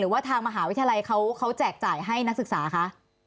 ว่าทางมหาวิทยาลัยเขาแจกจ่ายให้นักศึกษาคะ